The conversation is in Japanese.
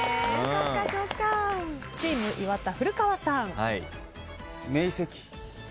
チーム岩田古川さん。